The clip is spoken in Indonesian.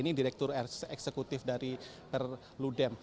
ini juga adalah direktur eksekutif dari ludem